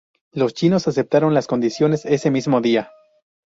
Los chinos aceptaron las condiciones ese mismo día.